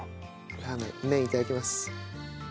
ラーメン麺いただきます。